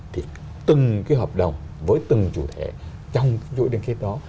thì từng cái hợp đồng với từng chủ thể trong chuỗi liên kết đó